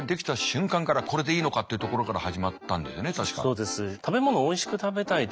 そうです。